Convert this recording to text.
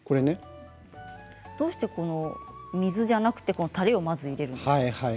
どうして水じゃなくてたれをまず入れるんですか？